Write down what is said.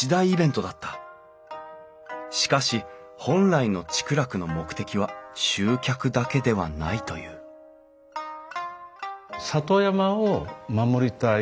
しかし本来の竹楽の目的は集客だけではないという里山を守りたい。